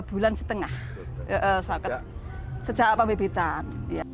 bulan setengah sejak pemipitan